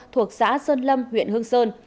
thuộc xã sơn lâm huyện hương sơn